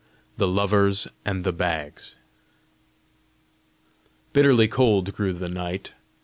THE LOVERS AND THE BAGS Bitterly cold grew the night.